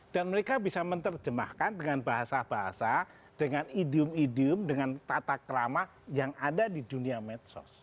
dan mereka bisa menerjemahkan dengan bahasa bahasa dengan idiom idiom dengan tata keramah yang ada di dunia medsos